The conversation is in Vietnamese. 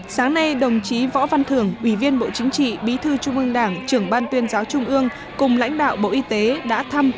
sáng nay đồng chí võ văn thường ủy viên bộ chính trị bí thư trung ương đảng trưởng ban tuyên giáo trung ương cùng lãnh đạo bộ y tế đã thăm